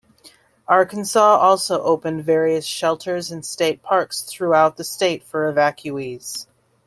Arkansas also opened various shelters and state parks throughout the state for evacuees.